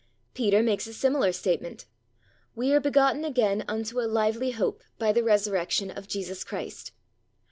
Peter makes a similar statement: "We are begotten again unto a lively hope by the resurrection of Jesus Christ."